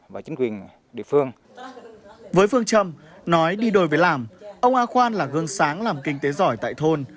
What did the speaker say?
với phương trâm nói đi đổi về làm ông a khoan là gương sáng làm kinh tế giỏi tại thôn